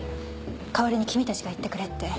代わりに君達が行ってくれって。